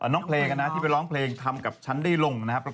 น้องเพลงที่ไปร้องเพลงทำกับฉันได้ลงนะครับ